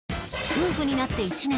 夫婦になって１年